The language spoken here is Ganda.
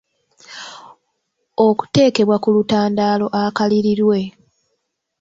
okuteekebwa ku lutandaalo akalirirwe